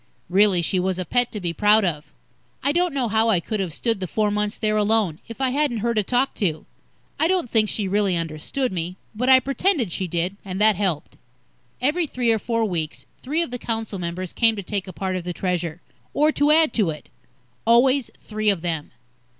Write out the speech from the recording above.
Really, she was a pet to be proud of. I don't know how I could have stood the four months there alone, if I hadn't her to talk to. I don't think she really understood me, but I pretended she did, and that helped. Every three or four weeks, three of the council members came to take a part of the Treasure, or to add to it. Always three of them.